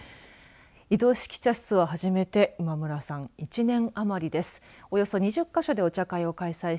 移動式茶室を始めて今村さん、１年余りです。